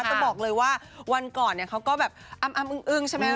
ต้องบอกเลยว่าวันก่อนเนี่ยเขาก็แบบอ้ำอึ้งใช่ไหม